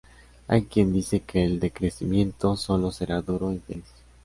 Hay quien dice que el decrecimiento solo será duro e infeliz.